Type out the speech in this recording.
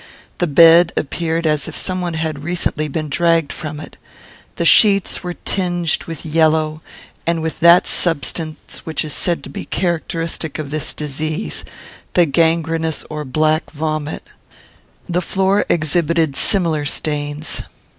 The bed appeared as if some one had recently been dragged from it. The sheets were tinged with yellow, and with that substance which is said to be characteristic of this disease, the gangrenous or black vomit. The floor exhibited similar stains.